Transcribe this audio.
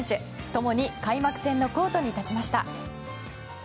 共に開幕戦のコートに立ちました。